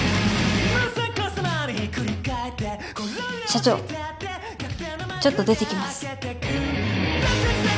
社長ちょっと出てきます。